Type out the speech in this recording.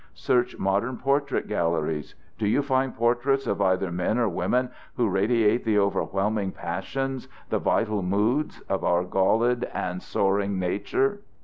Search modern portrait galleries. Do you find portraits of either men or women who radiate the overwhelming passions, the vital moods, of our galled and soaring nature?